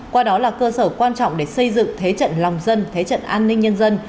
qua đó là cơ sở quan trọng để xây dựng thế trận lòng dân thế trận an ninh nhân dân